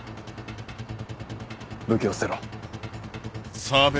武器を捨てろ。